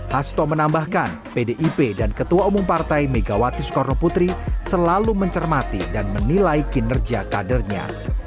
hasto menambahkan pdip dan ketua umum partai megawati soekarno putri selalu mencermati dan menilai kinerja kadernya